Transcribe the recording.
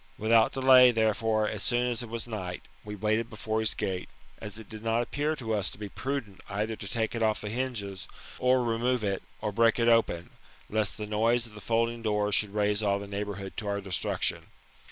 Without delay, therefore, as soon as it was night, we waited before his gate, as it did not appear lo us to be pru dent either to take it ofi" the hinges, or remove it, or break it open, lest the noise of the folding doors should raise all the neighbourhood to oUr destruction.